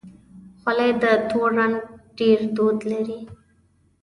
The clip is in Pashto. خولۍ د تور رنګ ډېر دود لري.